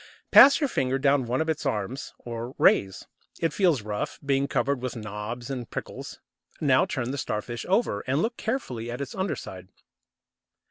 Pass your finger down one of its arms, or rays. It feels rough, being covered with knobs and prickles. Now turn the Starfish over, and look carefully at its underside.